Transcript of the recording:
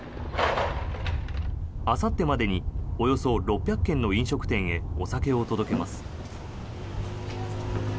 あさってまでにおよそ６００軒の飲食店へお酒を届けます。